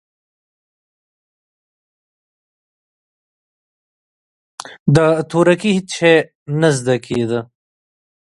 د تورکي هېڅ شى نه زده کېده.